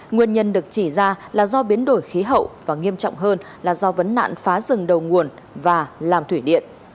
nguyên nhân được chỉ ra là do biến đổi khí hậu và nghiêm trọng hơn là do vấn nạn phá rừng đầu nguồn và làm thủy điện